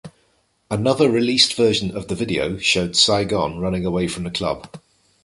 Another released version of the video, showed Saigon running away from the club.